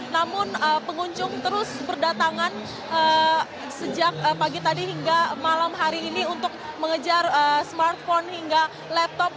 namun pengunjung terus berdatangan sejak pagi tadi hingga malam hari ini untuk mengejar smartphone hingga laptop